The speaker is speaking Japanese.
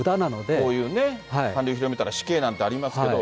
こういうね、韓流広めたら死刑なんてありますけども。